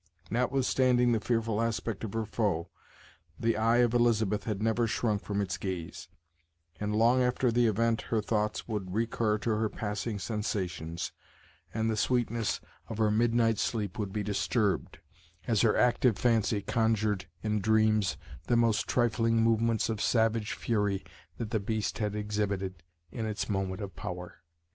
Notwithstanding the fearful aspect of her foe, the eye of Elizabeth had never shrunk from its gaze, and long after the event her thoughts would recur to her passing sensations, and the sweetness of her midnight sleep would be disturbed, as her active fancy conjured, in dreams, the most trifling movements of savage fury that the beast had exhibited in its moment of power.